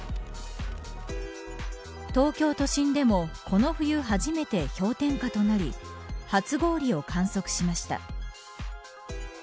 東京都心でもこの冬初めて氷点下となり初氷を観測しました。